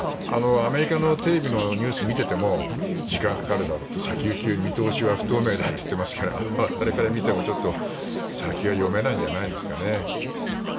アメリカのテレビのニュースを見ていても時間がかかるだろうと先行き、見通しは不透明だと言っていますから我々から見ても、ちょっと先が読めないんじゃないですかね。